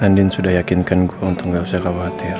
andi sudah yakinkan gue untuk gak usah khawatir